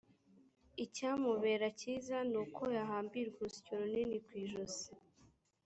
icyamubera cyiza ni uko yahambirwa urusyo runini ku ijosi